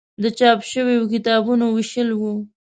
د چاپ شویو کتابونو ویشل و.